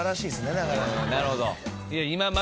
なるほど。